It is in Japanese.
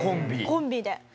コンビで。